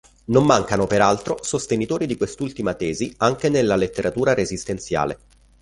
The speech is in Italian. Non mancano peraltro sostenitori di quest'ultima tesi anche nella letteratura resistenziale.